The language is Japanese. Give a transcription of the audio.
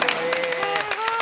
すごい。